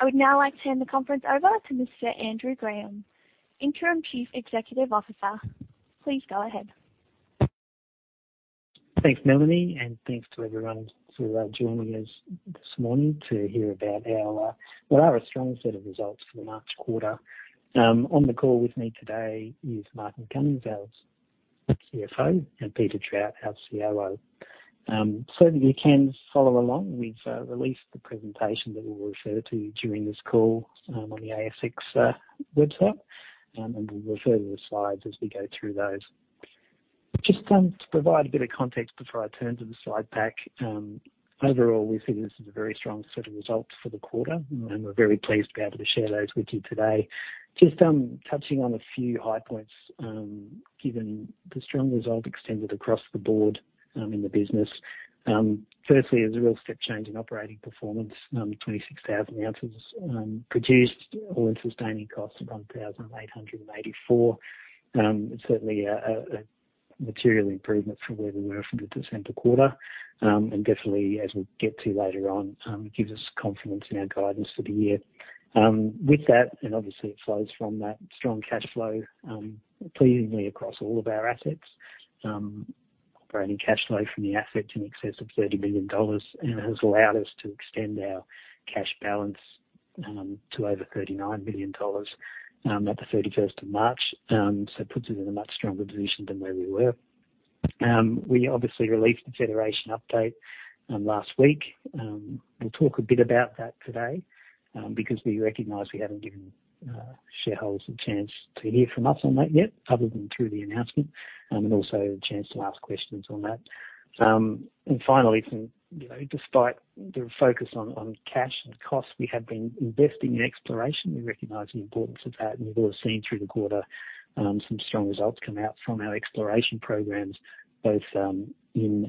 I would now like to hand the conference over to Mr. Andrew Graham, Interim Chief Executive Officer. Please go ahead. Thanks, Melanie, and thanks to everyone for joining us this morning to hear about our, what are our strong set of results for the March quarter. On the call with me today is Martin Cummings, our CFO, and Peter Trout, our COO. That you can follow along, we've released the presentation that we'll refer to during this call, on the ASX website, and we'll refer to the slides as we go through those. Just to provide a bit of context before I turn to the slide pack, overall, we think this is a very strong set of results for the quarter, and we're very pleased to be able to share those with you today. Just touching on a few high points, given the strong result extended across the board, in the business. Firstly, there's a real step change in operating performance, 26,000 ounces produced, all-in sustaining costs of 1,884. Certainly a material improvement from where we were from the December quarter. Definitely as we'll get to later on, gives us confidence in our guidance for the year. With that, obviously it flows from that strong cash flow, pleasingly across all of our assets. Operating cash flow from the asset in excess of 30 million dollars and has allowed us to extend our cash balance to over 39 million dollars at the 31st of March. It puts us in a much stronger position than where we were. We obviously released the quarterly update last week. We'll talk a bit about that today, because we recognize we haven't given shareholders a chance to hear from us on that yet, other than through the announcement, and also a chance to ask questions on that. Finally, from, you know, despite the focus on cash and costs, we have been investing in exploration. We recognize the importance of that, and you've all seen through the quarter, some strong results come out from our exploration programs, both in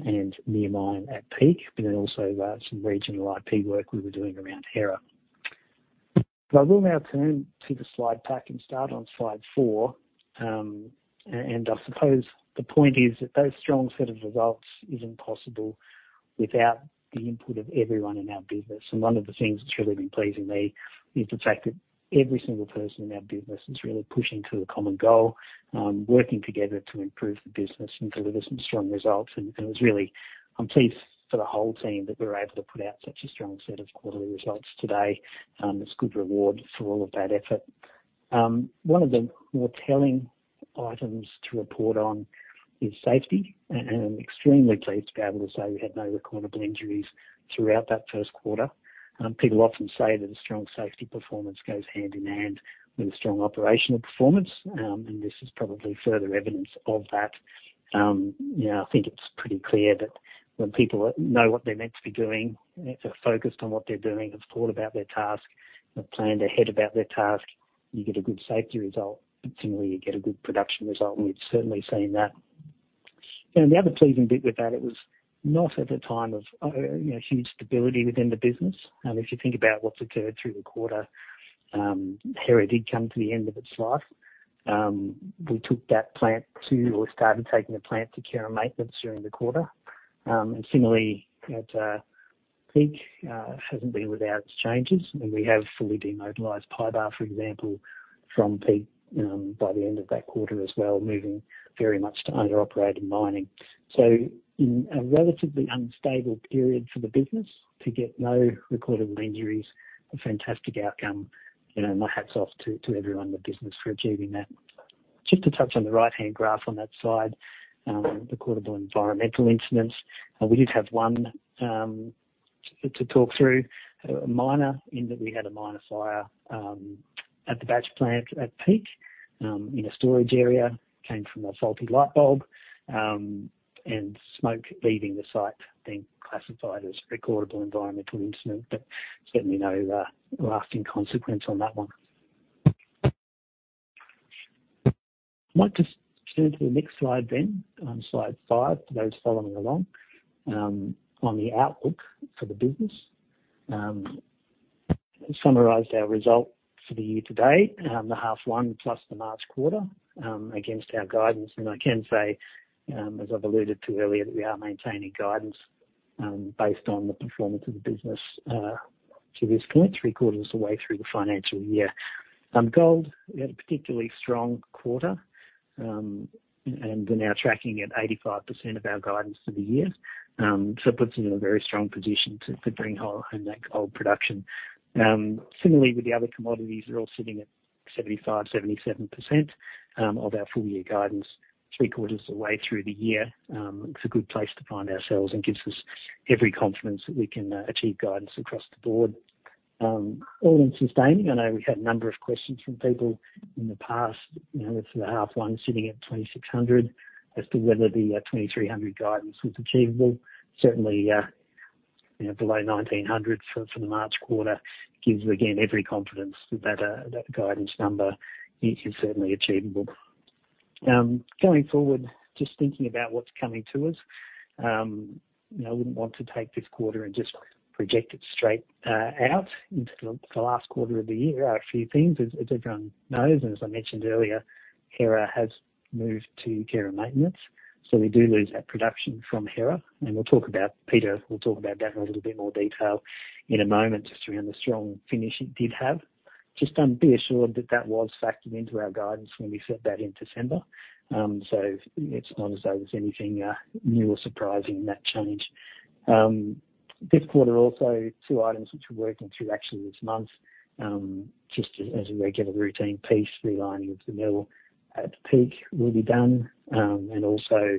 and near mine at Peak, but then also some regional IP work we were doing around Hera. I will now turn to the slide pack and start on slide four. I suppose the point is that those strong set of results isn't possible without the input of everyone in our business. One of the things that's really been pleasing me is the fact that every single person in our business is really pushing to a common goal, working together to improve the business and deliver some strong results. It's really, I'm pleased for the whole team that we're able to put out such a strong set of quarterly results today. It's good reward for all of that effort. One of the more telling items to report on is safety. I'm extremely pleased to be able to say we had no recordable injuries throughout that first quarter. People often say that a strong safety performance goes hand in hand with a strong operational performance. This is probably further evidence of that. You know, I think it's pretty clear that when people know what they're meant to be doing, if they're focused on what they're doing, have thought about their task, have planned ahead about their task, you get a good safety result. Similarly, you get a good production result. We've certainly seen that. You know, the other pleasing bit with that, it was not at a time of, you know, huge stability within the business. If you think about what's occurred through the quarter, Hera did come to the end of its life. We started taking the plant to care and maintenance during the quarter. Similarly at Peak, hasn't been without its changes. I mean, we have fully demobilized PYBAR, for example, from Peak, by the end of that quarter as well, moving very much to under-operated mining. In a relatively unstable period for the business to get no recordable injuries, a fantastic outcome. You know, my hat's off to everyone in the business for achieving that. Just to touch on the right-hand graph on that slide, recordable environmental incidents. We did have one to talk through. A minor in that we had a minor fire at the batch plant at Peak, in a storage area. Came from a faulty light bulb, and smoke leaving the site being classified as recordable environmental incident. Certainly no lasting consequence on that one. I want to turn to the next slide then, slide five, for those following along, on the outlook for the business. Summarized our results for the year to date, the half one plus the March quarter, against our guidance. I can say, as I've alluded to earlier, that we are maintaining guidance, based on the performance of the business, to this point, three-quarters of the way through the financial year. Gold, we had a particularly strong quarter, and we're now tracking at 85% of our guidance for the year. It puts us in a very strong position to bring home that gold production. Similarly with the other commodities are all sitting at 75% to 77% of our full year guidance. Three-quarters of the way through the year, it's a good place to find ourselves and gives us every confidence that we can achieve guidance across the board. all-in sustaining, I know we had a number of questions from people in the past, you know, with the half 1 sitting at 2,600 as to whether the 2,300 guidance was achievable. Certainly, you know, below 1,900 for the March quarter, it gives again, every confidence that guidance number is certainly achievable. Going forward, just thinking about what's coming to us, you know, I wouldn't want to take this quarter and just project it straight out into the last quarter of the year. There are a few things, as everyone knows, and as I mentioned earlier, Hera has moved to care and maintenance, so we do lose that production from Hera. We'll talk about... Peter will talk about that in a little bit more detail in a moment, just around the strong finish it did have. Just be assured that that was factored into our guidance when we set that in December. It's not as though there's anything new or surprising in that change. This quarter also two items which we're working through actually this month, just as a regular routine piece, realigning of the mill at Peak will be done. Also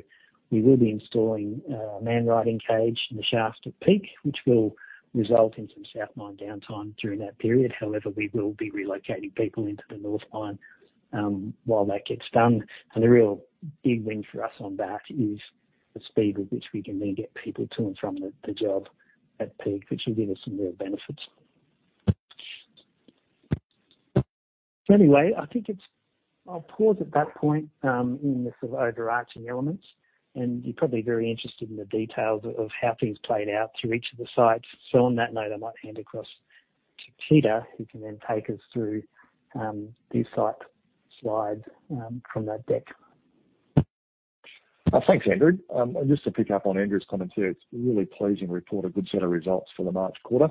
we will be installing a man riding cage in the shaft at Peak, which will result in some south mine downtime during that period. However, we will be relocating people into the north mine while that gets done. The real big win for us on that is the speed at which we can then get people to and from the job at Peak, which will give us some real benefits. Anyway, I think it's. I'll pause at that point in the sort of overarching elements, and you're probably very interested in the details of how things played out through each of the sites. On that note, I might hand across to Peter, who can then take us through the site slides from that deck. Thanks, Andrew. Just to pick up on Andrew's comments here, it's really pleasing to report a good set of results for the March quarter,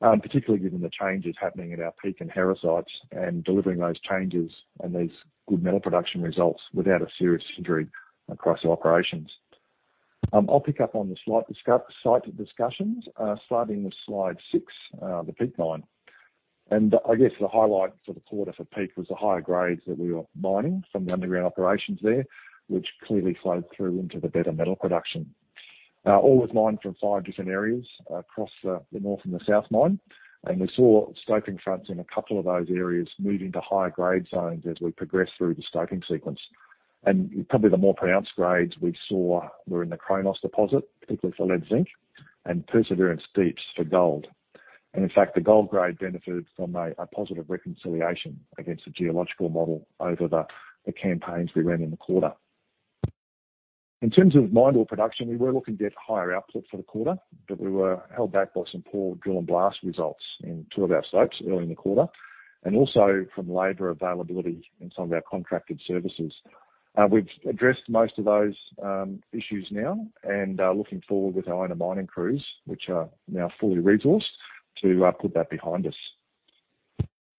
particularly given the changes happening at our Peak and Hera sites and delivering those changes and those good metal production results without a serious injury across our operations. I'll pick up on the slight site discussions, starting with slide six, the Peak Mine. I guess the highlight for the quarter for Peak was the higher grades that we were mining from the underground operations there, which clearly flowed through into the better metal production. Ore was mined from five different areas across the north and the south mine, and we saw scoping fronts in a couple of those areas move into higher grade zones as we progressed through the scoping sequence. Probably the more pronounced grades we saw were in the Chronos deposit, particularly for lead zinc, and Perseverance Deeps for gold. In fact, the gold grade benefited from a positive reconciliation against the geological model over the campaigns we ran in the quarter. In terms of mined ore production, we were looking to get higher output for the quarter, but we were held back by some poor drill and blast results in two of our stopes early in the quarter, and also from labor availability in some of our contracted services. We've addressed most of those issues now and looking forward with our owner mining crews, which are now fully resourced to put that behind us.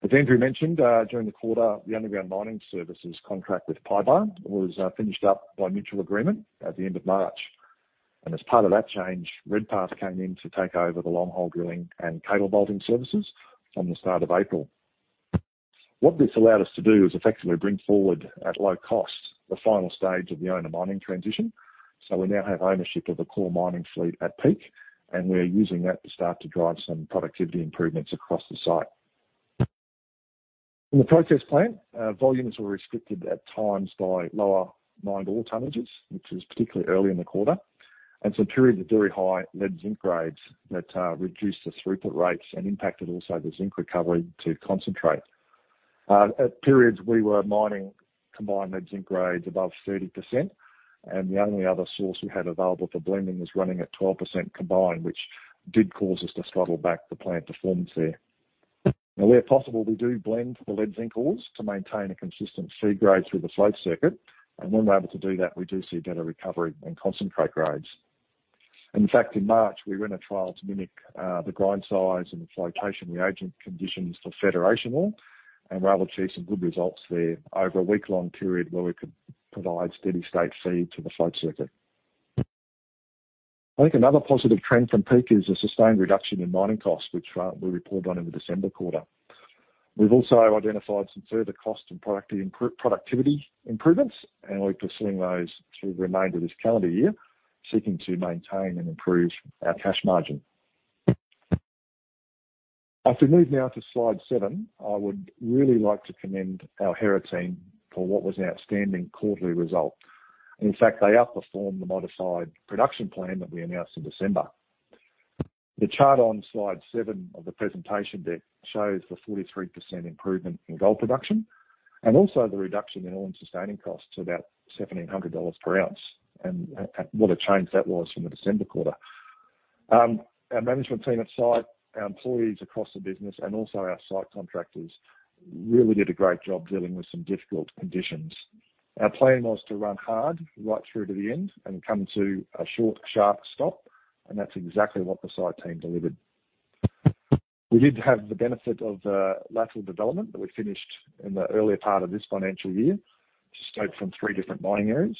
As Andrew mentioned, during the quarter, the underground mining services contract with PYBAR was finished up by mutual agreement at the end of March. As part of that change, Redpath came in to take over the long haul drilling and cable bolting services from the start of April. What this allowed us to do is effectively bring forward, at low cost, the final stage of the owner mining transition. We now have ownership of the core mining fleet at Peak, and we are using that to start to drive some productivity improvements across the site. In the process plant, volumes were restricted at times by lower mined ore tonnages, which was particularly early in the quarter, and some periods of very high lead zinc grades that reduced the throughput rates and impacted also the zinc recovery to concentrate. At periods, we were mining combined lead zinc grades above 30%, and the only other source we had available for blending was running at 12% combined, which did cause us to throttle back the plant performance there. Where possible, we do blend the lead zinc ores to maintain a consistent feed grade through the float circuit. When we're able to do that, we do see better recovery and concentrate grades. In fact, in March, we ran a trial to mimic the grind size and the flotation reagent conditions for Federation ore, and were able to see some good results there over a 1 week-long period where we could provide steady state feed to the float circuit. I think another positive trend from Peak is a sustained reduction in mining costs, which we reported on in the December quarter. We've also identified some further cost and productivity improvements. We're pursuing those through the remainder of this calendar year, seeking to maintain and improve our cash margin. As we move now to slide seven, I would really like to commend our Hera team for what was an outstanding quarterly result. In fact, they outperformed the modified production plan that we announced in December. The chart on slide seven of the presentation deck shows the 43% improvement in gold production and also the reduction in all-in sustaining costs to about 1,700 dollars per ounce. What a change that was from the December quarter. Our management team at site, our employees across the business, and also our site contractors really did a great job dealing with some difficult conditions. Our plan was to run hard right through to the end and come to a short, sharp stop, and that's exactly what the site team delivered. We did have the benefit of lateral development that we finished in the earlier part of this financial year, to stope from three different mining areas.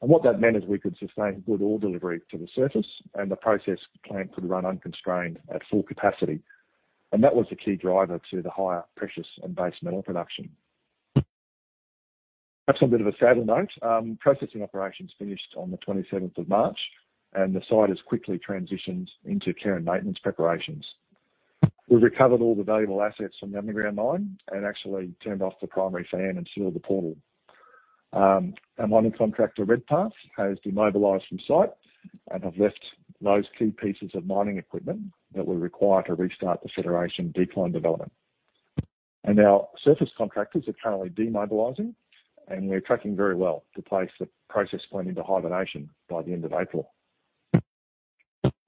What that meant is we could sustain good ore delivery to the surface, and the process plant could run unconstrained at full capacity. That was the key driver to the higher precious and base metal production. That's on a bit of a sadder note. Processing operations finished on the 27th of March, and the site has quickly transitioned into care and maintenance preparations. We recovered all the valuable assets from the underground mine and actually turned off the primary fan and sealed the portal. Our mining contractor, Redpath, has demobilized from site and have left those key pieces of mining equipment that we require to restart the Federation decline development. Our surface contractors are currently demobilizing, and we're tracking very well to place the process plant into hibernation by the end of April.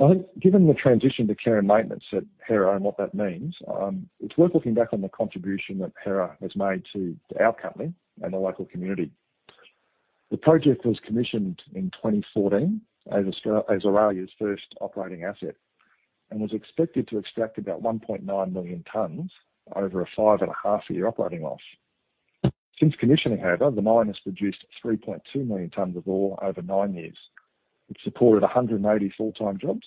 I think given the transition to care and maintenance at Hera and what that means, it's worth looking back on the contribution that Hera has made to our company and the local community. The project was commissioned in 2014 as Australia's first operating asset, and was expected to extract about 1.9 million tons over a five and a half year operating life. Since commissioning, however, the mine has produced 3.2 million tons of ore over nine years, which supported 180 full-time jobs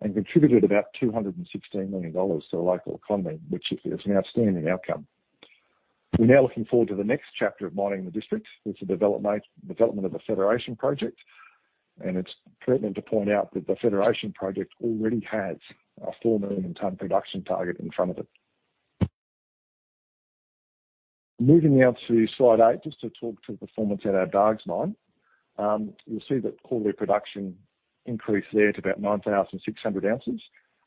and contributed about 216 million dollars to the local economy, which is an outstanding outcome. We're now looking forward to the next chapter of mining in the district with the development of the Federation project. It's pertinent to point out that the Federation project already has a 4 million ton production target in front of it. Moving now to slide eight, just to talk to the performance at our Dargues mine. You'll see that quarterly production increased there to about 9,600 ounces,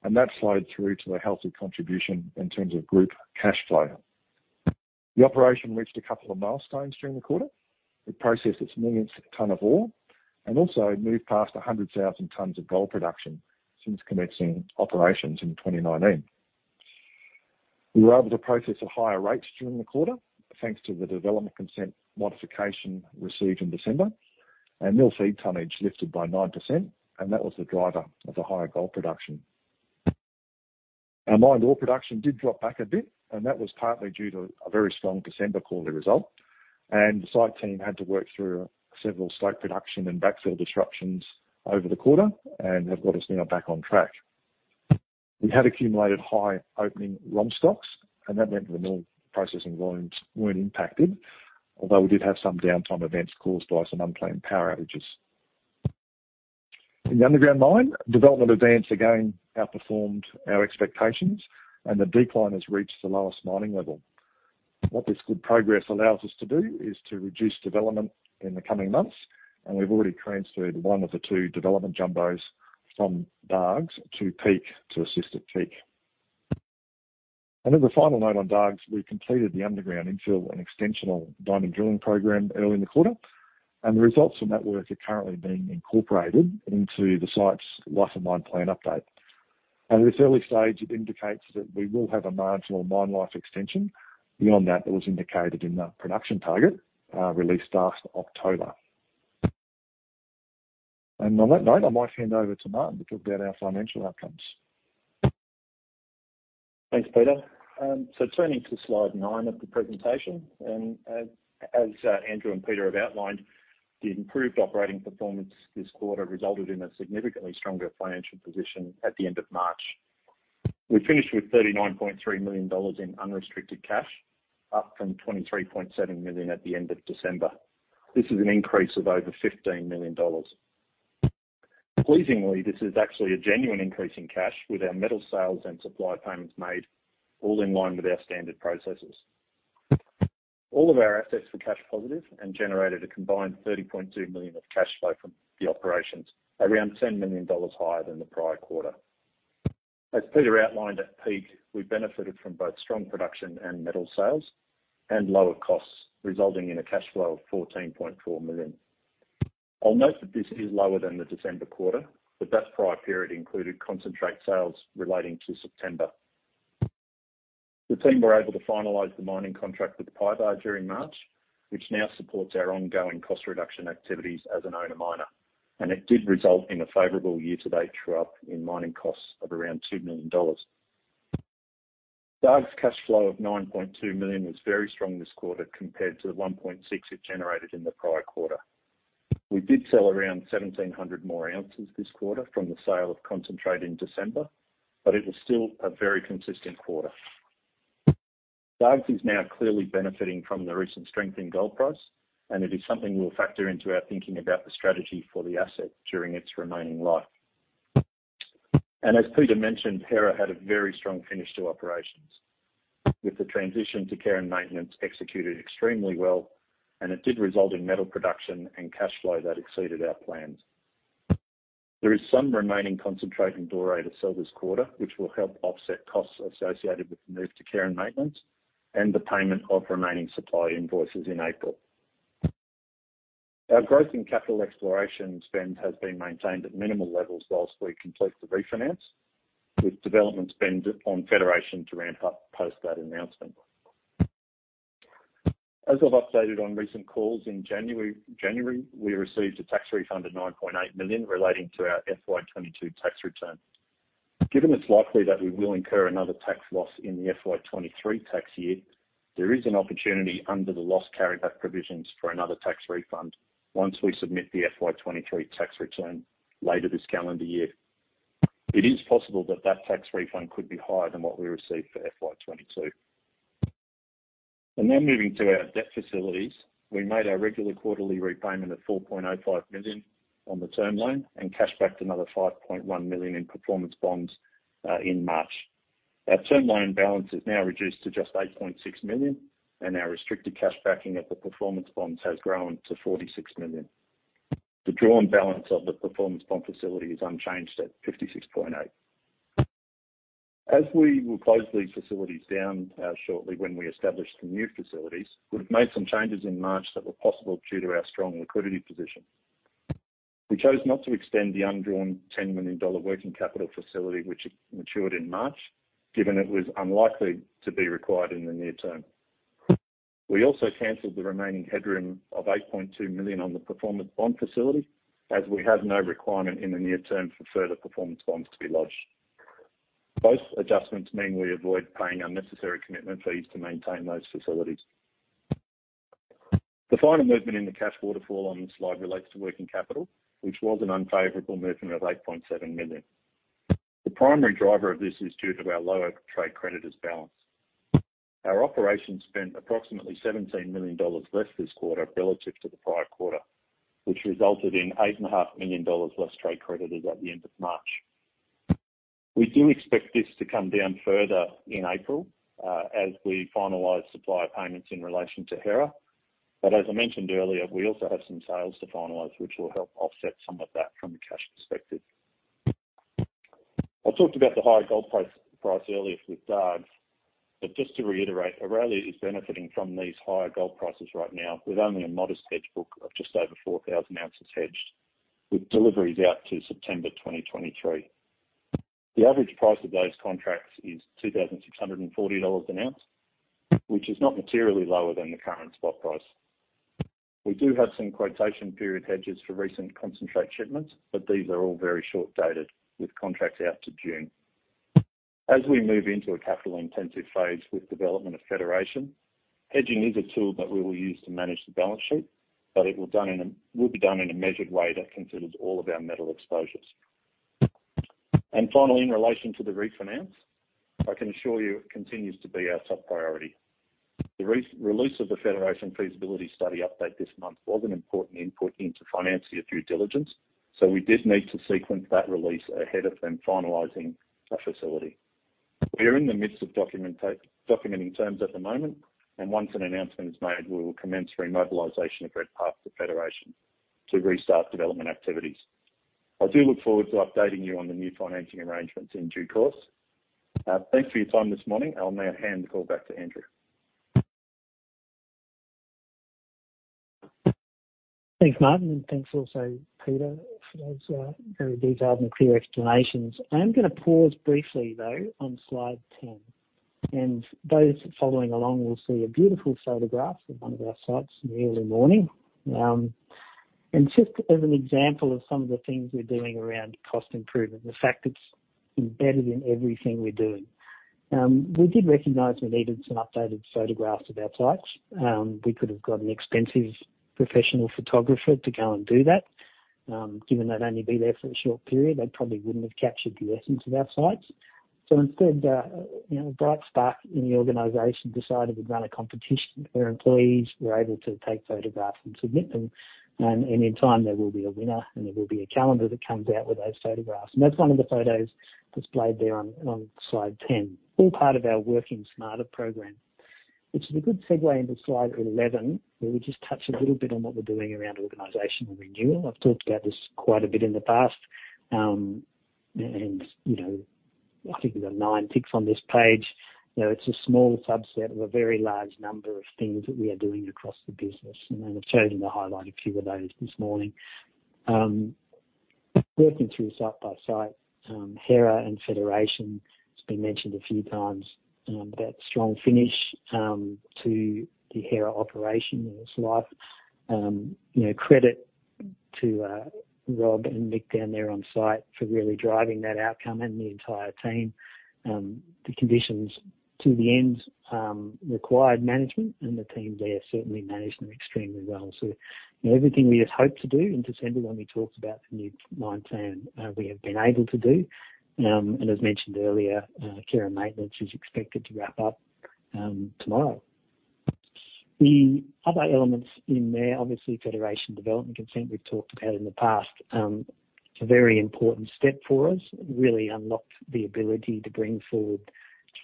and that flowed through to a healthy contribution in terms of group cash flow. The operation reached a couple of milestones during the quarter. It processed its 1 million ton of ore and also moved past 100,000 tons of gold production since commencing operations in 2019. We were able to process at higher rates during the quarter, thanks to the development consent modification received in December. Mill feed tonnage lifted by 9%, and that was the driver of the higher gold production. Our mine ore production did drop back a bit, and that was partly due to a very strong December quarterly result. The site team had to work through several slope production and backfill disruptions over the quarter and have got us now back on track. We had accumulated high opening ROM stocks, and that meant the mill processing volumes weren't impacted, although we did have some downtime events caused by some unplanned power outages. In the underground mine, development advance again outperformed our expectations, and the decline has reached the lowest mining level. What this good progress allows us to do is to reduce development in the coming months, and we've already transferred one of the two development jumbos from Dargues to Peak to assist at Peak. As a final note on Dargues, we completed the underground infill and extensional diamond drilling program early in the quarter, and the results from that work are currently being incorporated into the site's life of mine plan update. At this early stage, it indicates that we will have a marginal mine life extension beyond that that was indicated in the production target released last October. On that note, I might hand over to Martin to talk about our financial outcomes. Thanks, Peter. Turning to slide nine of the presentation, as Andrew and Peter have outlined, the improved operating performance this quarter resulted in a significantly stronger financial position at the end of March. We finished with AUD 39.3 million in unrestricted cash, up from AUD 23.7 million at the end of December. This is an increase of over AUD 15 million. Pleasingly, this is actually a genuine increase in cash with our metal sales and supply payments made all in line with our standard processes. All of our assets were cash positive and generated a combined 30.2 million of cash flow from the operations, around 10 million dollars higher than the prior quarter. As Peter outlined at Peak, we benefited from both strong production and metal sales and lower costs, resulting in a cash flow of 14.4 million. I'll note that this is lower than the December quarter, but that prior period included concentrate sales relating to September. The team were able to finalize the mining contract with PYBAR during March, which now supports our ongoing cost reduction activities as an owner miner, and it did result in a favorable year-to-date drop in mining costs of around 2 million dollars. Dargues cash flow of 9.2 million was very strong this quarter compared to the 1.6 million it generated in the prior quarter. We did sell around 1,700 more ounces this quarter from the sale of concentrate in December, but it was still a very consistent quarter. Dargues is now clearly benefiting from the recent strength in gold price, and it is something we'll factor into our thinking about the strategy for the asset during its remaining life. As Peter mentioned, Hera had a very strong finish to operations, with the transition to care and maintenance executed extremely well, and it did result in metal production and cash flow that exceeded our plans. There is some remaining concentrate and doré to sell this quarter, which will help offset costs associated with the move to care and maintenance and the payment of remaining supply invoices in April. Our growth in capital exploration spend has been maintained at minimal levels while we complete the refinance, with development spend on Federation to ramp up post that announcement. As I've updated on recent calls, in January, we received a tax refund of 9.8 million relating to our FY22 tax return. Given it's likely that we will incur another tax loss in the FY23 tax year, there is an opportunity under the loss carry back provisions for another tax refund once we submit the FY23 tax return later this calendar year. It is possible that that tax refund could be higher than what we received for FY22. Now moving to our debt facilities. We made our regular quarterly repayment of 4.05 million on the term loan and cashed back another 5.1 million in performance bonds in March. Our term loan balance is now reduced to just 8.6 million, and our restricted cash backing at the performance bonds has grown to 46 million. The drawn balance of the performance bond facility is unchanged at 56.8 million. As we will close these facilities down shortly when we establish the new facilities, we've made some changes in March that were possible due to our strong liquidity position. We chose not to extend the undrawn 10 million dollar working capital facility, which matured in March, given it was unlikely to be required in the near term. We also canceled the remaining headroom of 8.2 million on the performance bond facility, as we have no requirement in the near term for further performance bonds to be lodged. Both adjustments mean we avoid paying unnecessary commitment fees to maintain those facilities. The final movement in the cash waterfall on this slide relates to working capital, which was an unfavorable movement of 8.7 million. The primary driver of this is due to our lower trade creditors balance. Our operations spent approximately 17 million dollars less this quarter relative to the prior quarter, which resulted in eight and a half million dollars less trade creditors at the end of March. We do expect this to come down further in April, as we finalize supplier payments in relation to Hera. As I mentioned earlier, we also have some sales to finalize which will help offset some of that from a cash perspective. I talked about the higher gold price earlier with Dargues, just to reiterate, Aurelia is benefiting from these higher gold prices right now with only a modest hedge book of just over 4,000 ounces hedged with deliveries out to September 2023. The average price of those contracts is 2,640 dollars an ounce, which is not materially lower than the current spot price. We do have some quotation period hedges for recent concentrate shipments, but these are all very short-dated with contracts out to June. As we move into a capital-intensive phase with development of Federation, hedging is a tool that we will use to manage the balance sheet, but it will be done in a measured way that considers all of our metal exposures. Finally, in relation to the refinance, I can assure you it continues to be our top priority. The re-release of the Federation feasibility study update this month was an important input into financier due diligence. We did need to sequence that release ahead of them finalizing a facility. We are in the midst of documenting terms at the moment, Once an announcement is made, we will commence remobilization of Redpath to Federation to restart development activities. I do look forward to updating you on the new financing arrangements in due course. Thanks for your time this morning. I'll now hand the call back to Andrew. Thanks, Martin, thanks also, Peter, for those very detailed and clear explanations. I am gonna pause briefly, though, on slide 10. Those following along will see a beautiful photograph of one of our sites in the early morning. Just as an example of some of the things we're doing around cost improvement, the fact it's embedded in everything we're doing. We did recognize we needed some updated photographs of our sites. We could have got an expensive professional photographer to go and do that. Given they'd only be there for a short period, they probably wouldn't have captured the essence of our sites. Instead, you know, Bright Star in the organization decided to run a competition where employees were able to take photographs and submit them. In time, there will be a winner, and there will be a calendar that comes out with those photographs. That's one of the photos displayed there on slide 10. All part of our Working Smarter program, which is a good segue into slide 11, where we just touch a little bit on what we're doing around organizational renewal. I've talked about this quite a bit in the past. You know, I think there's are nine ticks on this page. You know, it's a small subset of a very large number of things that we are doing across the business. I've chosen to highlight a few of those this morning. Working through site by site, Hera and Federation, it's been mentioned a few times, that strong finish to the Hera operation in its life. You know, credit to Rob and Nick down there on site for really driving that outcome and the entire team. The conditions to the end required management and the team there certainly managed them extremely well. You know, everything we had hoped to do in December when we talked about the new mine plan, we have been able to do. As mentioned earlier, care and maintenance is expected to wrap up tomorrow. The other elements in there, obviously, Federation development consent we've talked about in the past. It's a very important step for us. It really unlocked the ability to bring forward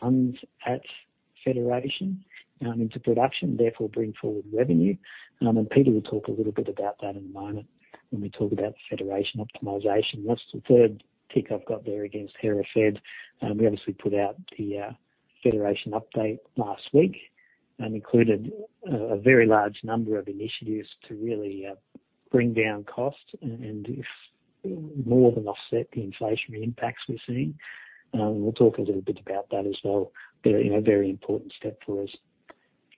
tons at Federation into production, therefore bring forward revenue. Peter will talk a little bit about that in a moment when we talk about Federation optimization. That's the third tick I've got there against Hera Fed. We obviously put out the Federation update last week and included a very large number of initiatives to really bring down costs and more than offset the inflationary impacts we're seeing. We'll talk a little bit about that as well, but in a very important step for us.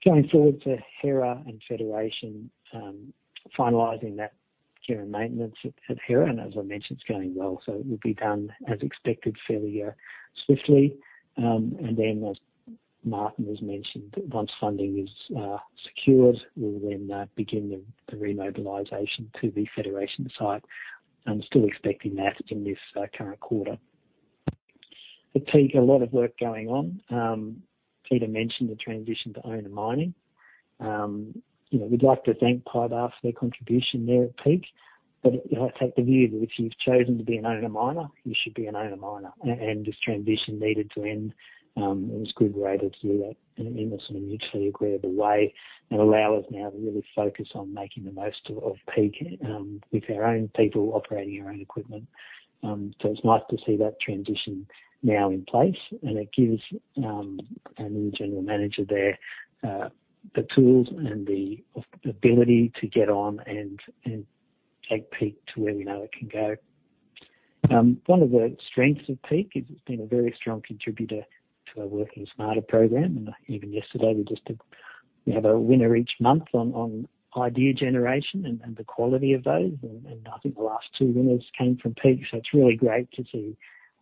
Going forward to Hera and Federation, finalizing that care and maintenance at Hera, and as I mentioned, it's going well, so it will be done as expected fairly swiftly. Then as Martin has mentioned, once funding is secured, we'll then begin the remobilization to the Federation site. I'm still expecting that in this current quarter. At Peak, a lot of work going on. Peter mentioned the transition to owner mining. You know, we'd like to thank PYBAR for their contribution there at Peak, but I take the view that if you've chosen to be an owner miner, you should be an owner miner. This transition needed to end, it was good we were able to do that in a, in a sort of mutually agreeable way and allow us now to really focus on making the most of Peak, with our own people operating our own equipment. So it's nice to see that transition now in place, and it gives our new general manager there the tools and the ability to get on and take Peak to where we know it can go. One of the strengths of Peak is it's been a very strong contributor to our Working Smarter program. Even yesterday we have a winner each month on idea generation and the quality of those, and I think the last two winners came from Peak. It's really great to see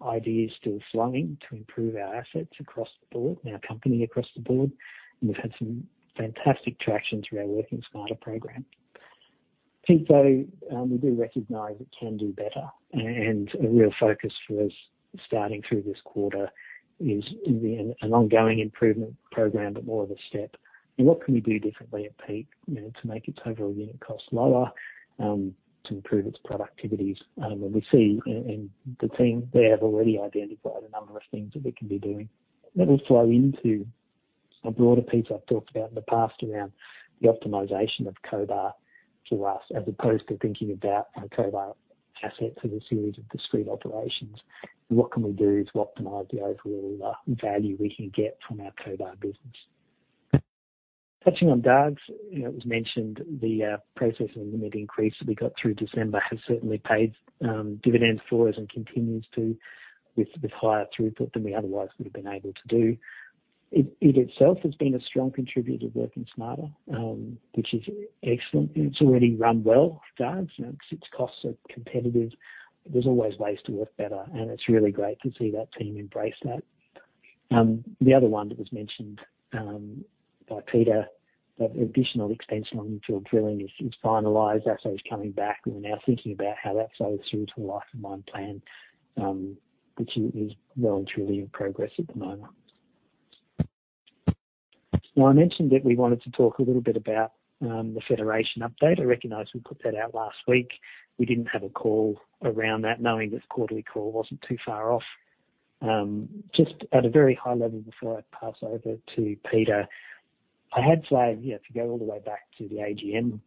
ideas still flowing to improve our assets across the board and our company across the board. We've had some fantastic traction through our Working Smarter program. Peak, though, we do recognize it can do better. A real focus for us starting through this quarter is an ongoing improvement program, but more of a step. What can we do differently at Peak, you know, to make its overall unit cost lower, to improve its productivities? We see, and the team, they have already identified a number of things that we can be doing that will flow into a broader piece I've talked about in the past around the optimization of Cobar for us, as opposed to thinking about our Cobar asset as a series of discrete operations. What can we do to optimize the overall value we can get from our Cobar business? Touching on Dargues, you know, it was mentioned the processing limit increase that we got through December has certainly paid dividends for us and continues to with higher throughput than we otherwise would have been able to do. It itself has been a strong contributor to Working Smarter, which is excellent. It's already run well, Dargues. Its costs are competitive. There's always ways to work better, and it's really great to see that team embrace that. The other one that was mentioned by Peter, that additional expansion on infill drilling is finalized. Asset is coming back. We're now thinking about how that flows through to the life-of-mine plan, which is well and truly in progress at the moment. I mentioned that we wanted to talk a little bit about the Federation update. I recognize we put that out last week. We didn't have a call around that knowing this quarterly call wasn't too far off. Just at a very high level before I pass over to Peter, I had said, you know, to go all the way back to the AGM,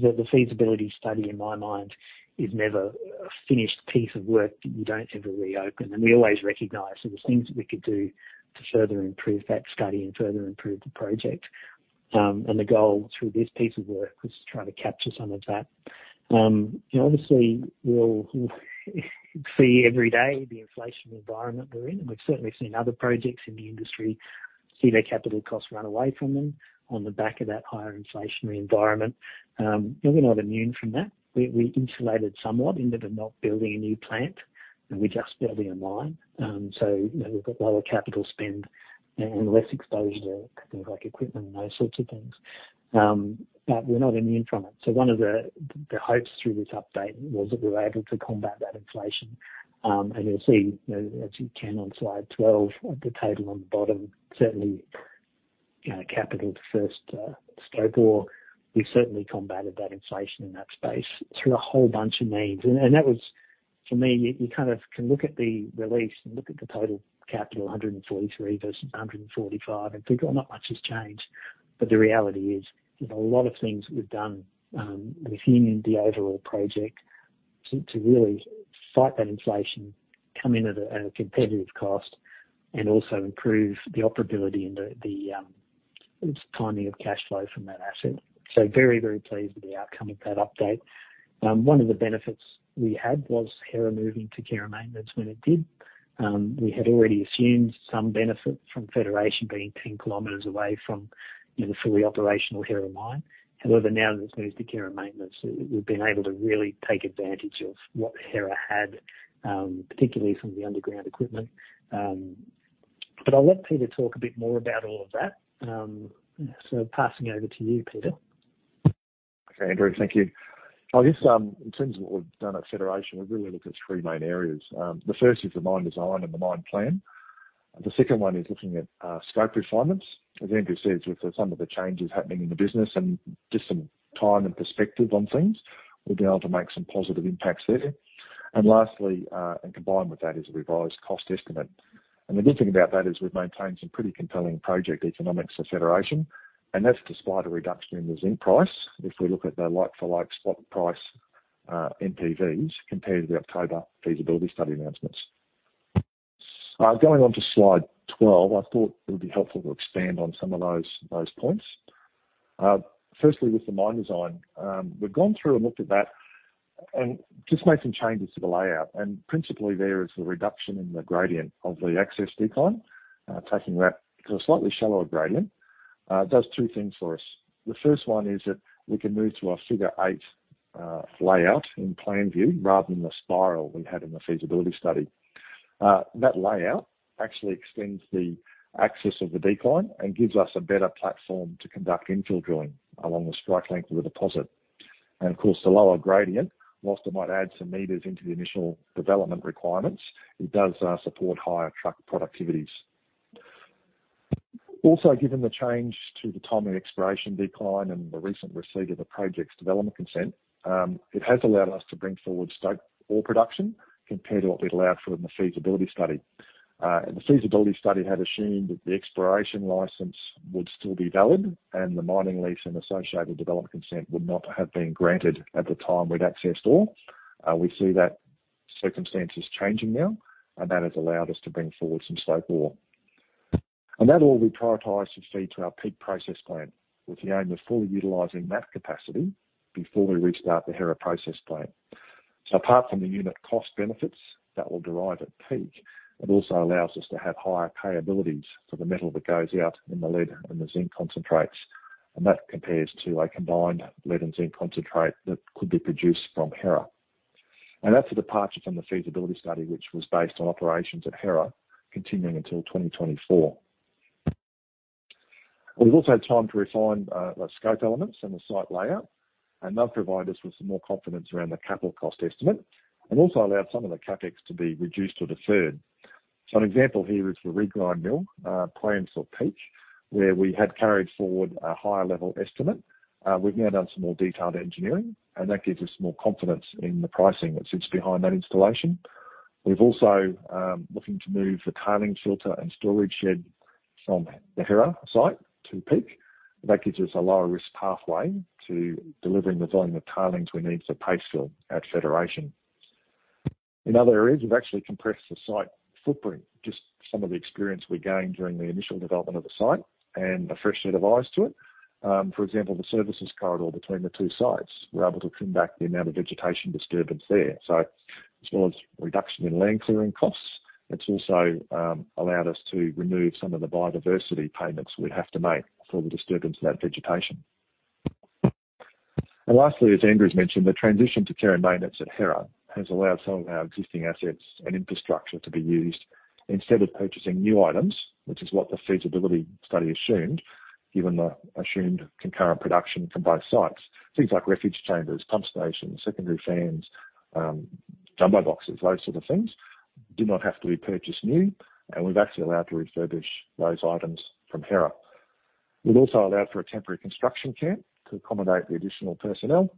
the feasibility study in my mind is never a finished piece of work that you don't ever reopen. We always recognize there was things that we could do to further improve that study and further improve the project. The goal through this piece of work was to try to capture some of that. You know, obviously we all see every day the inflation environment we're in. We've certainly seen other projects in the industry see their capital costs run away from them on the back of that higher inflationary environment. We're not immune from that. We, we insulated somewhat into the not building a new plant, and we're just building a mine. You know, we've got lower capital spend and less exposure to things like equipment and those sorts of things. But we're not immune from it. One of the hopes through this update was that we were able to combat that inflation. You'll see, you know, as you can on slide 12, at the table on the bottom, certainly, you know, capital to first scope ore, we've certainly combated that inflation in that space through a whole bunch of means. That was, for me, you kind of can look at the release and look at the total capital, 143 versus 145, and think, "Oh, not much has changed." The reality is, there's a lot of things we've done, and assuming the overall project to really fight that inflation come in at a competitive cost and also improve the operability and the timing of cash flow from that asset. Very, very pleased with the outcome of that update. One of the benefits we had was Hera moving to care and maintenance when it did. We had already assumed some benefit from Federation being 10 kilometers away from, you know, the fully operational Hera mine. However, now that it's moved to care and maintenance, we've been able to really take advantage of what Hera had, particularly some of the underground equipment. I'll let Peter talk a bit more about all of that. Passing over to you, Peter. Okay, Andrew. Thank you. I guess, in terms of what we've done at Federation, we've really looked at three main areas. The first is the mine design and the mine plan. The second one is looking at scope refinements. As Andrew says, with some of the changes happening in the business and just some time and perspective on things, we've been able to make some positive impacts there. Lastly, and combined with that, is a revised cost estimate. The good thing about that is we've maintained some pretty compelling project economics for Federation, and that's despite a reduction in the zinc price, if we look at the like-for-like spot price, NPVs compared to the October feasibility study announcements. Going on to slide 12, I thought it would be helpful to expand on some of those points. Firstly with the mine design, we've gone through and looked at that and just made some changes to the layout. Principally there is the reduction in the gradient of the access decline, taking that to a slightly shallower gradient. It does 2 things for us. The first one is that we can move to a figure-of-eight layout in plan view rather than the spiral we had in the feasibility study. That layout actually extends the access of the decline and gives us a better platform to conduct infill drilling along the strike length of the deposit. Of course, the lower gradient, whilst it might add some meters into the initial development requirements, it does support higher truck productivities. Also, given the change to the timing exploration decline and the recent receipt of the project's development consent, it has allowed us to bring forward scope ore production compared to what we'd allowed for in the feasibility study. The feasibility study had assumed that the exploration licence would still be valid and the mining lease and associated development consent would not have been granted at the time we'd accessed ore. We see that circumstances changing now, and that has allowed us to bring forward some slope ore. That will reprioritize the feed to our Peak process plant, with the aim of fully utilizing that capacity before we restart the Hera process plant. Apart from the unit cost benefits that will derive at Peak, it also allows us to have higher payabilities for the metal that goes out in the lead and the zinc concentrates. That compares to a combined lead and zinc concentrate that could be produced from Hera. That's a departure from the feasibility study, which was based on operations at Hera continuing until 2024. We've also had time to refine the scope elements and the site layout, and they'll provide us with some more confidence around the capital cost estimate, and also allowed some of the CapEx to be reduced or deferred. An example here is the regrind mill planned for Peak, where we had carried forward a higher level estimate. We've now done some more detailed engineering, and that gives us more confidence in the pricing that sits behind that installation. We're also looking to move the tailings filter and storage shed from the Hera site to Peak. That gives us a lower risk pathway to delivering the volume of tailings we need for paste fill at Federation. In other areas, we've actually compressed the site footprint, just some of the experience we gained during the initial development of the site and a fresh set of eyes to it. For example, the services corridor between the two sites. We're able to trim back the amount of vegetation disturbance there. As well as reduction in land clearing costs, it's also allowed us to remove some of the biodiversity payments we'd have to make for the disturbance of that vegetation. Lastly, as Andrew's mentioned, the transition to care and maintenance at Hera has allowed some of our existing assets and infrastructure to be used instead of purchasing new items, which is what the feasibility study assumed, given the assumed concurrent production from both sites. Things like refuge chambers, pump stations, secondary fans, junction boxes, those sort of things, did not have to be purchased new, and we're actually allowed to refurbish those items from Hera. We'd also allowed for a temporary construction camp to accommodate the additional personnel.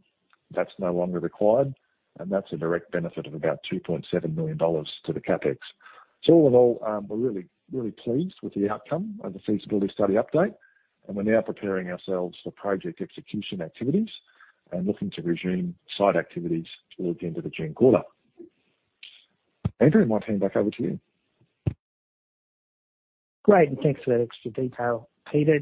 That's no longer required, and that's a direct benefit of about 2.7 million dollars to the CapEx. All in all, we're really, really pleased with the outcome of the feasibility study update, and we're now preparing ourselves for project execution activities and looking to resume site activities towards the end of the June quarter. Andrew, I might hand back over to you. Great, thanks for that extra detail, Peter.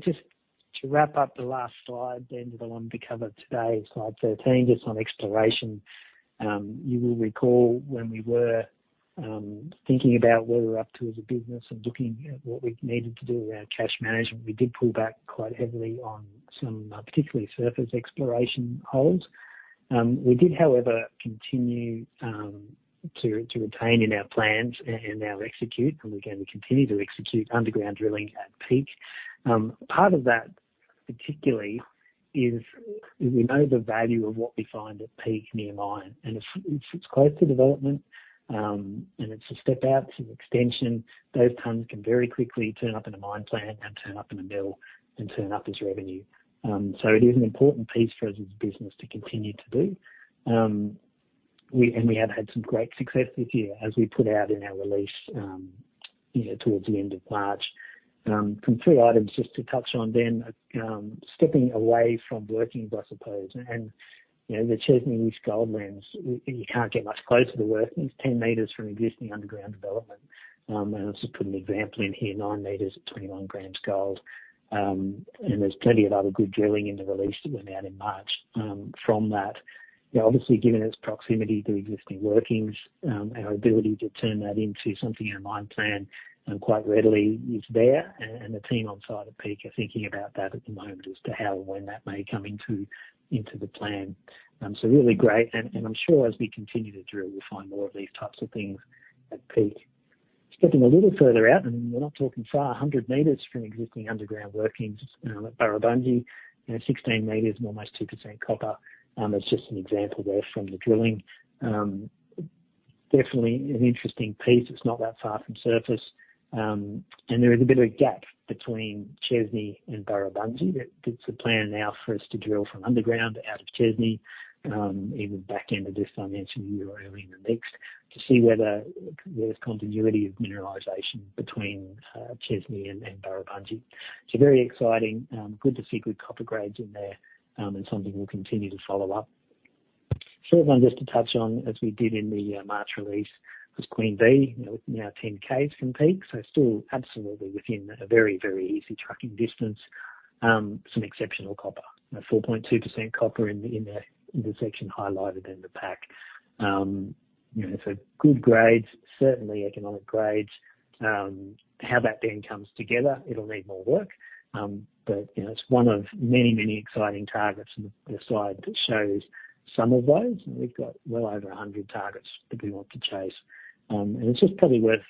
Just to wrap up the last slide then, the one we covered today, slide 13, just on exploration. You will recall when we were thinking about where we're up to as a business and looking at what we needed to do around cash management, we did pull back quite heavily on some particularly surface exploration holes. We did, however, continue to retain in our plans and now execute, and we're going to continue to execute underground drilling at Peak. Part of that particularly is we know the value of what we find at Peak near mine, and if it's close to development, and it's a step out to an extension, those tons can very quickly turn up in a mine plan and turn up in a mill and turn up as revenue It is an important piece for us as a business to continue to do. We have had some great success this year, as we put out in our release, you know, towards the end of March. Some three items just to touch on. Stepping away from workings, I suppose, and, you know, the Chesney East Gold Lens. You can't get much closer to the workings. 10 meters from existing underground development. I'll just put an example in here, nine meters at 21 grams gold. There's plenty of other good drilling in the release that went out in March from that. You know, obviously, given its proximity to existing workings, our ability to turn that into something in a mine plan, quite readily is there. The team on site at Peak are thinking about that at the moment as to how and when that may come into the plan. Really great, and I'm sure as we continue to drill, we'll find more of these types of things at Peak. Stepping a little further out, we're not talking far, 100 meters from existing underground workings at Burrabungie. You know, 16 meters and almost 2% copper. That's just an example there from the drilling. Definitely an interesting piece. It's not that far from surface. There is a bit of a gap between Chesney and Burrabungie that it's a plan now for us to drill from underground out of Chesney in the back end of this financial year or early in the next, to see whether there's continuity of mineralization between Chesney and Burrabungie. It's very exciting. Good to see good copper grades in there, something we'll continue to follow up. Short one just to touch on, as we did in the March release, was Queen Bee. You know, looking now 10 Ks from Peak, still absolutely within a very, very easy trucking distance. Some exceptional copper. You know, 4.2% copper in the section highlighted in the back. You know, good grades, certainly economic grades. How that then comes together, it'll need more work. You know, it's one of many, many exciting targets. The slide shows some of those. We've got well over 100 targets that we want to chase. It's just probably worth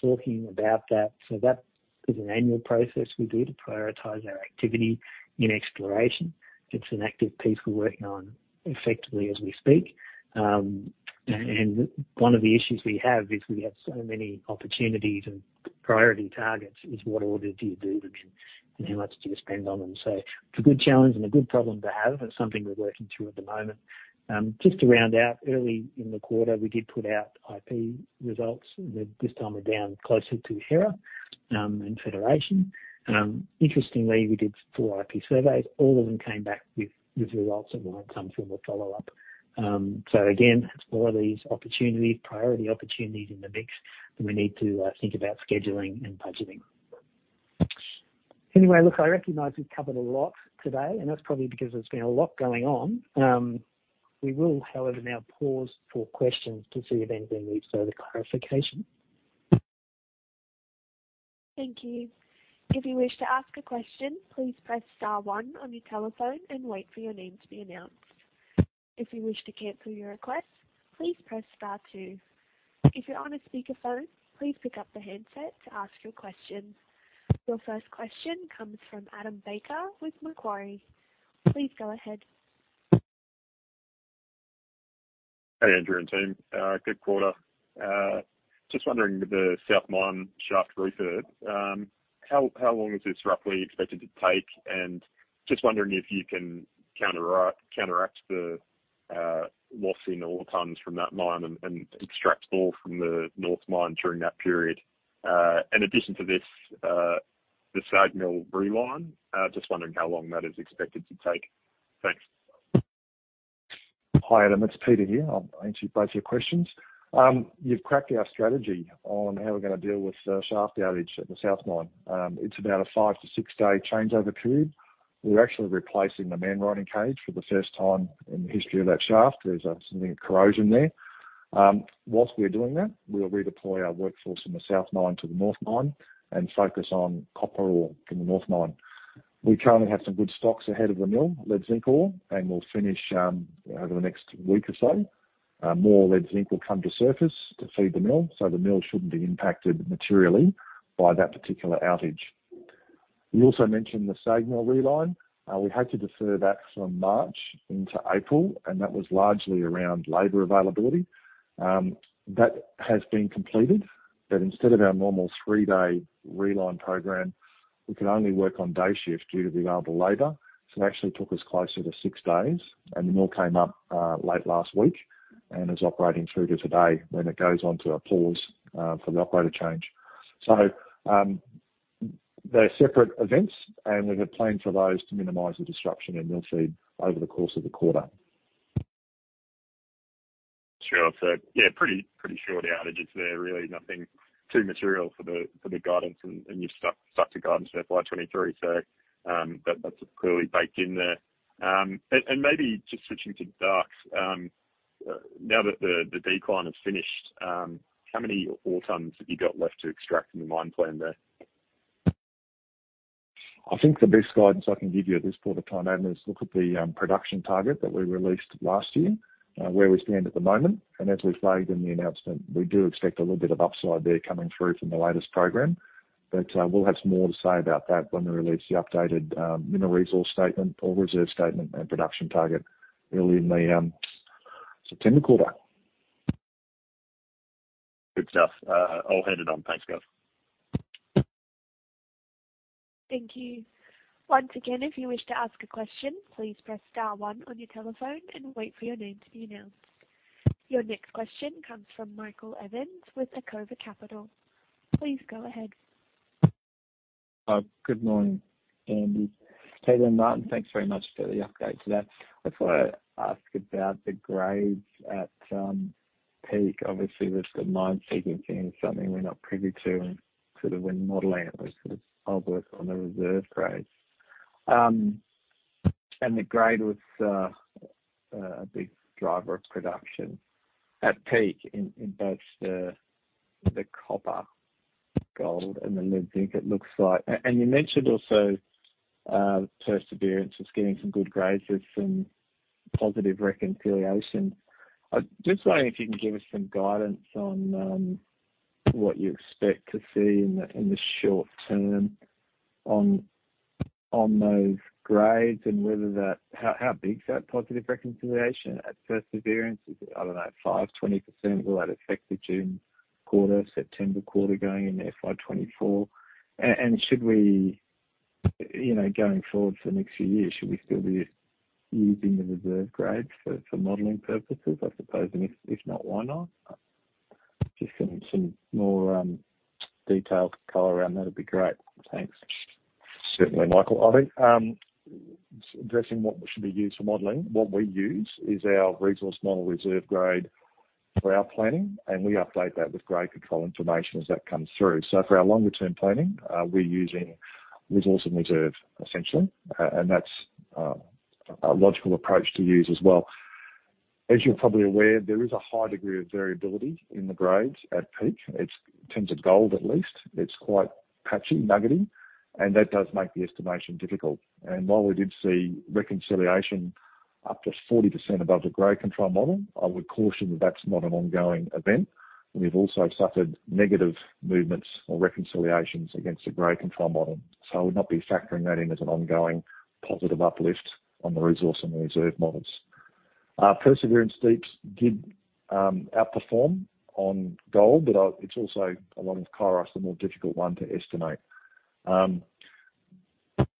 talking about that. That is an annual process we do to prioritize our activity in exploration. It's an active piece we're working on effectively as we speak. One of the issues we have is we have so many opportunities and priority targets, is what order do you do them in and how much do you spend on them? It's a good challenge and a good problem to have. It's something we're working through at the moment. Just to round out, early in the quarter, we did put out IP results. This time we're down closer to Hera. Federation. Interestingly, we did four IP surveys. All of them came back with results that warrant some form of follow-up. Again, explore these opportunities, priority opportunities in the mix, and we need to think about scheduling and budgeting. Look, I recognize we've covered a lot today, and that's probably because there's been a lot going on. We will, however, now pause for questions to see if anybody needs further clarification. Thank you. If you wish to ask a question, please press star one on your telephone and wait for your name to be announced. If you wish to cancel your request, please press star two. If you're on a speakerphone, please pick up the handset to ask your question. Your first question comes from Adam Baker with Macquarie. Please go ahead. Hey, Andrew and team. Good quarter. Just wondering, the South Mine shaft refurb, how long is this roughly expected to take? Just wondering if you can counteract the loss in ore tons from that mine and extract ore from the North Mine during that period. In addition to this, the SAG mill reline, just wondering how long that is expected to take. Thanks. Hi, Adam. It's Peter here. I'll answer both your questions. You've cracked our strategy on how we're going to deal with the shaft outage at the South Mine. It's about a five to six day changeover period. We're actually replacing the man riding cage for the first time in the history of that shaft. There's some corrosion there. While we're doing that, we'll redeploy our workforce from the South Mine to the North Mine and focus on copper ore from the North Mine. We currently have some good stocks ahead of the mill, lead zinc ore, and we'll finish over the next week or so. More lead zinc will come to surface to feed the mill, the mill shouldn't be impacted materially by that particular outage. You also mentioned the SAG mill reline. We had to defer that from March into April. That was largely around labor availability. That has been completed. Instead of our normal three day reline program, we could only work on day shifts due to the available labor. It actually took us closer to six days. The mill came up, late last week and is operating through to today. It goes on to a pause, for the operator change. They're separate events, and we've had planned for those to minimize the disruption in mill feed over the course of the quarter. Sure. Yeah, pretty short outages there. Really nothing too material for the guidance and you've stuck to guidance for FY23. That's clearly baked in there. And maybe just switching to Dargues. Now that the decline is finished, how many ore tons have you got left to extract from the mine plan there? I think the best guidance I can give you at this point of time, Adam, is look at the production target that we released last year, where we stand at the moment. As we flagged in the announcement, we do expect a little bit of upside there coming through from the latest program. We'll have some more to say about that when we release the updated mineral resource statement or reserve statement and production target early in the September quarter. Good stuff. I'll hand it on. Thanks, guys. Thank you. Once again, if you wish to ask a quick question, please press star one on your telephone and wait for your name to be announced. Your next question comes from Michael Evans with Acova Capital. Please go ahead. Good morning, Andy, Peter, and Martin. Thanks very much for the update today. I just wanna ask about the grades at Peak. Obviously, with the mine sequencing, something we're not privy to sort of when modeling it was sort of all worked on the reserve grades. the grade was a big driver of production at Peak in both the copper, gold and the lead zinc it looks like. You mentioned also Perseverance is getting some good grades with some positive reconciliation. I just wondering if you can give us some guidance on what you expect to see in the, in the short term on those grades and How big is that positive reconciliation at Perseverance? Is it, I don't know, 5%, 20%? Will that affect the June quarter, September quarter going into FY24? Should we, you know, going forward for the next few years, should we still be using the reserve grades for modeling purposes, I suppose? If not, why not? Just some more detailed color around that would be great. Thanks. Certainly, Michael. I think, addressing what should be used for modeling, what we use is our resource model reserve grade for our planning, and we update that with grade control information as that comes through. For our longer term planning, we're using resource and reserve essentially. That's a logical approach to use as well. As you're probably aware, there is a high degree of variability in the grades at Peak. It's, in terms of gold at least, it's quite patchy, nuggety, and that does make the estimation difficult. While we did see reconciliation up to 40% above the grade control model, I would caution that that's not an ongoing event. We've also suffered negative movements or reconciliations against the grade control model. I would not be factoring that in as an ongoing positive uplift on the resource and the reserve models. Perseverance Deeps did outperform on gold, but it's also along with Kairos, the more difficult one to estimate.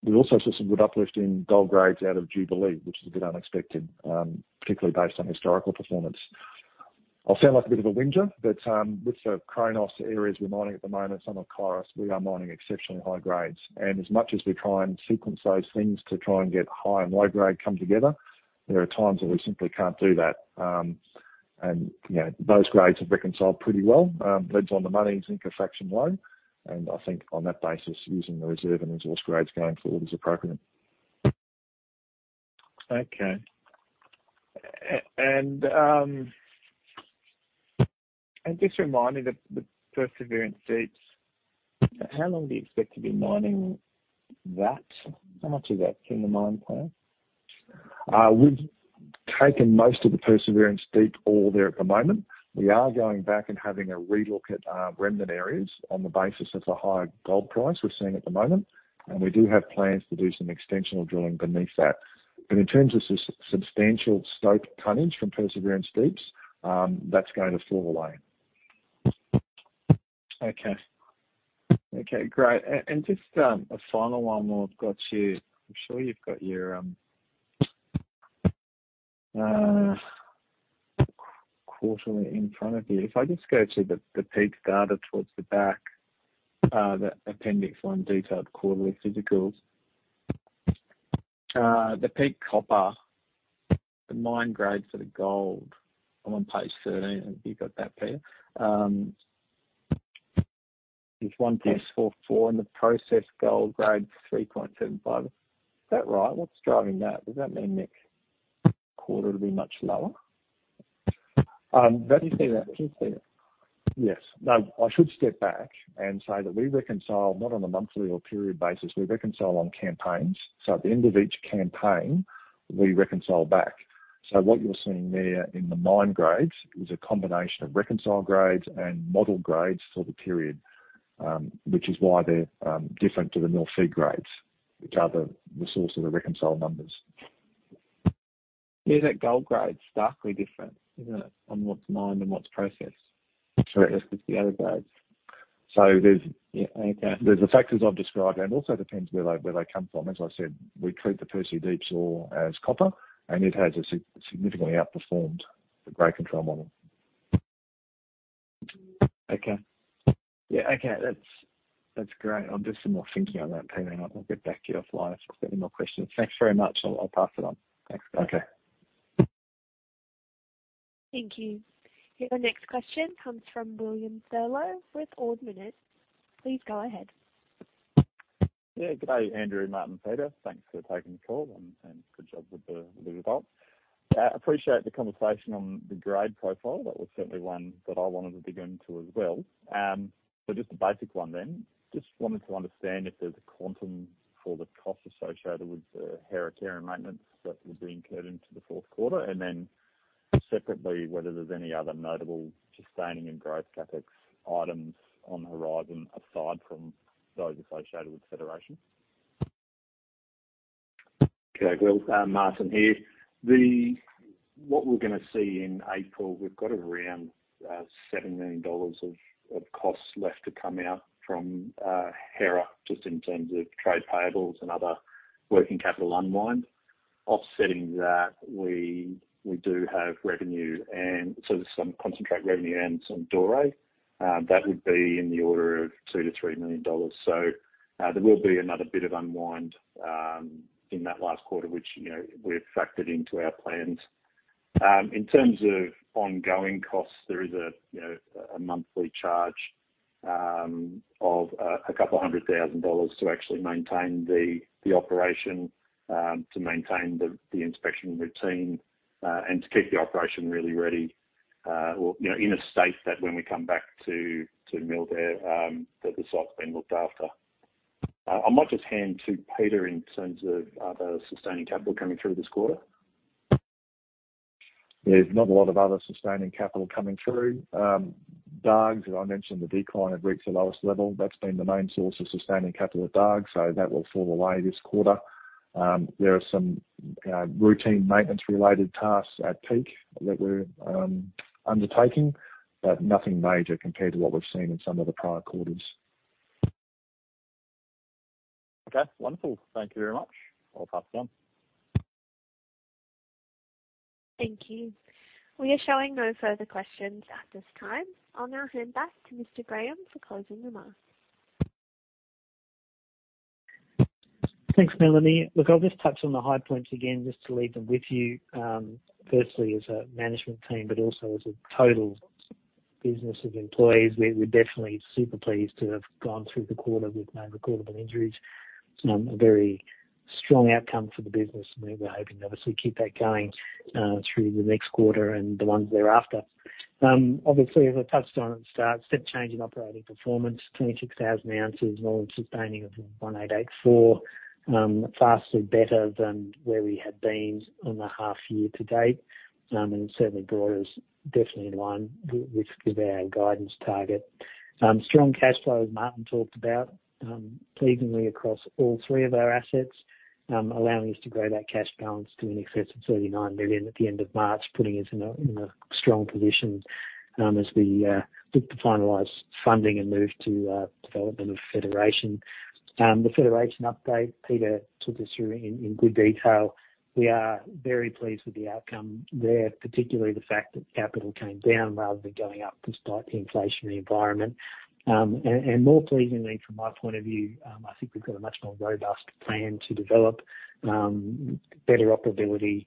We also saw some good uplift in gold grades out of Jubilee, which is a bit unexpected, particularly based on historical performance. I'll sound like a bit of a whinger, but with the Chronos areas we're mining at the moment, some of Chronos, we are mining exceptionally high grades. As much as we try and sequence those things to try and get high and low grade come together, there are times where we simply can't do that. You know, those grades have reconciled pretty well. Leads on the money is infection low. I think on that basis, using the reserve and exhaust grades going forward is appropriate. Okay. Just remind me, the Perseverance Deeps, how long do you expect to be mining that? How much is that in the mine plan? We've taken most of the Perseverance deep ore there at the moment. We are going back and having a re-look at, remnant areas on the basis of the high gold price we're seeing at the moment, and we do have plans to do some extensional drilling beneath that. In terms of substantial stope tonnage from Perseverance Deeps, that's going to fall away. Okay. Okay, great. Just a final one while I've got you. I'm sure you've got your quarterly in front of you. If I just go to the Peak data towards the back, the Appendix 1, detailed quarterly physicals. The Peak copper, the mine grade for the gold, I'm on page 13. Have you got that, Peter? Is 1.44 and the process gold grade 3.75. Is that right? What's driving that? Does that mean next quarter will be much lower? that is- Can you see that? Can you see it? Yes. I should step back and say that we reconcile not on a monthly or period basis. We reconcile on campaigns. At the end of each campaign, we reconcile back. What you're seeing there in the mine grades is a combination of reconciled grades and model grades for the period, which is why they're different to the mill feed grades, which are the source of the reconciled numbers. Is that gold grade starkly different, isn't it, on what's mined and what's processed? Sure. versus the other grades? So there's- Yeah, okay. There's the factors I've described, and it also depends where they come from. As I said, we treat the Perseverance Deeps ore as copper, and it has significantly outperformed the grade control model. Okay. Yeah, okay. That's great. I'll do some more thinking on that, Peter, and I'll get back to you offline if I've got any more questions. Thanks very much. I'll pass it on. Thanks. Okay. Thank you. Your next question comes from William Thurlow with Ord Minnett. Please go ahead. Good day, Andrew, Martin, Peter. Thanks for taking the call and good job with the results. Appreciate the conversation on the grade profile. That was certainly one that I wanted to dig into as well. Just a basic one then. Just wanted to understand if there's a quantum for the cost associated with the Hera care and maintenance that will be incurred into the fourth quarter. Separately, whether there's any other notable sustaining in growth CapEx items on the horizon aside from those associated with Federation. Okay. Well, Martin here. What we're gonna see in April, we've got around 7 million dollars of costs left to come out from Hera, just in terms of trade payables and other working capital unwind. Offsetting that, we do have revenue, there's some concentrate revenue and some doré that would be in the order of 2 million to 3 million dollars. There will be another bit of unwind in that last quarter which, you know, we've factored into our plaans. In terms of ongoing costs, there is a, you know, a monthly charge of a AUD couple of hundred thousand dollars to actually maintain the operation, to maintain the inspection routine, and to keep the operation really ready, or, you know, in a state that when we come back to mill there, that the site's been looked after. I might just hand to Peter in terms of other sustaining capital coming through this quarter. There's not a lot of other sustaining capital coming through. Dargues, as I mentioned, the decline had reached the lowest level. That's been the main source of sustaining capital at Dargues, so that will fall away this quarter. There are some routine maintenance related tasks at Peak that we're undertaking, but nothing major compared to what we've seen in some of the prior quarters. Okay, wonderful. Thank you very much. I'll pass it on. Thank you. We are showing no further questions at this time. I'll now hand back to Mr. Graham for closing remarks. Thanks, Melanie. Look, I'll just touch on the high points again, just to leave them with you. Firstly as a management team, also as a total business of employees, we're definitely super pleased to have gone through the quarter with no recordable injuries. It's a very strong outcome for the business, and we're hoping to obviously keep that going through the next quarter and the ones thereafter. Obviously, as I touched on at the start, step change in operating performance, 26,000 ounces while sustaining of 1,884, vastly better than where we had been on the half year to date, certainly brought us definitely in line with our guidance target. Strong cash flow, as Martin talked about, pleasingly across all three of our assets, allowing us to grow that cash balance to in excess of 39 million at the end of March, putting us in a strong position as we look to finalize funding and move to development of Federation. The Federation update, Peter took us through in good detail. We are very pleased with the outcome there, particularly the fact that capital came down rather than going up despite the inflationary environment. More pleasingly from my point of view, I think we've got a much more robust plan to develop better operability,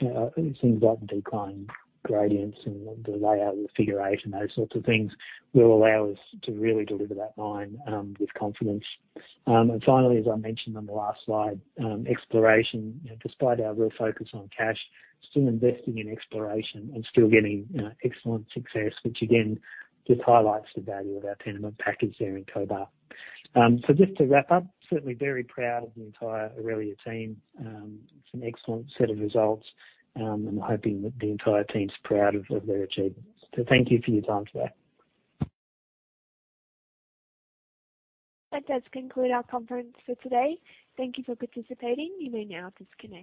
things like decline gradients and the layout of the figure-of-eight and those sorts of things will allow us to really deliver that mine with confidence. Finally, as I mentioned on the last slide, exploration. You know, despite our real focus on cash, still investing in exploration and still getting, you know, excellent success, which again, just highlights the value of our tenement package there in Cobar. Just to wrap up, certainly very proud of the entire Aurelia team, some excellent set of results, and hoping that the entire team's proud of their achievements. Thank you for your time today. That does conclude our conference for today. Thank you for participating. You may now disconnect.